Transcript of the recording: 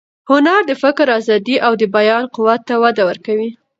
هنر د فکر ازادي او د بیان قوت ته وده ورکوي.